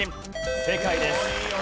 正解です。